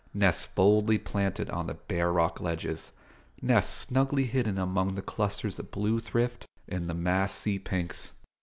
nests boldly planted on the bare rock ledges; nests snugly hidden among the clusters of blue thrift and the massed sea pinks.